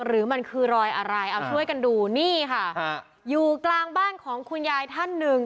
หรือมันคือรอยอะไรเอาช่วยกันดูนี่ค่ะอยู่กลางบ้านของคุณยายท่านหนึ่ง